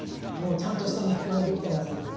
ちゃんとした目標ができてますので。